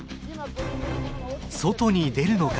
外に出るのか？